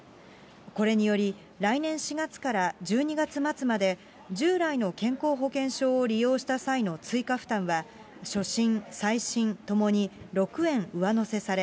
これにより、来年４月から１２月末まで、従来の健康保険証を利用した際の追加負担は、初診、再診ともに６円上乗せされ、